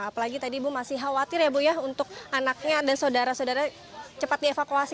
apalagi tadi ibu masih khawatir ya bu ya untuk anaknya dan saudara saudara cepat dievakuasi